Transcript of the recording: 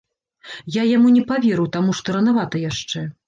Я яму не паверыў, таму што ранавата яшчэ.